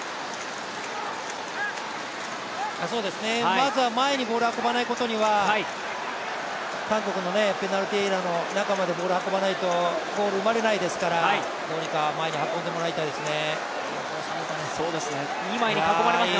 まずは前にボールを運ばないことには、韓国のペナルティーエリアの中までボールを運ばないとゴール生まれないですからどうにか前に運んでもらいたいですね。